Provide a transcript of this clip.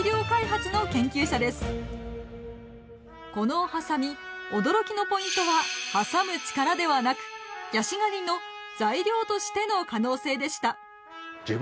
このハサミ驚きのポイントは「挟む力」ではなくヤシガニの「材料」としての可能性でした。